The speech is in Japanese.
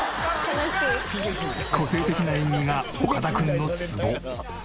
個性的な演技が岡田君のツボ。